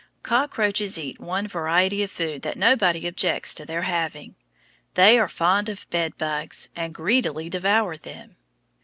Cockroaches eat one variety of food that nobody objects to their having. They are fond of bed bugs and greedily devour them.